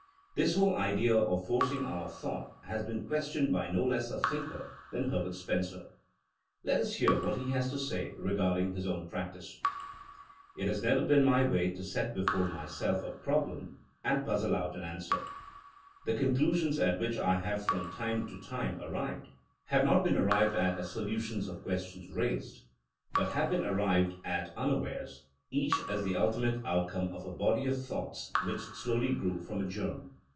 This whole idea of forcing our thought has been questioned by no less a thinker than Her bert Spencer. Let us hear what he has to say regarding his own practice : It has never been my way to set before my self a problem and puzzle out an answer. The conclusions at which I have from time to time THINEINa AS A SCIENCE 85 arrived, have not been arrived at as solutions of questions raised; but have been arrived at un awares—each as the ultimate outcome of a body of thoughts which slowly grew from a genn.